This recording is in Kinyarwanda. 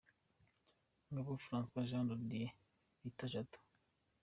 Ngabo Francois Jean de Dieu bita Jado.